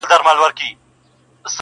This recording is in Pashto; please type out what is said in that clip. ګرفتار دي په غمزه یمه له وخته,